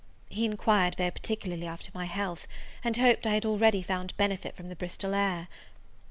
He enquired very particularly after my health, and hoped I had already found benefit from the Bristol air.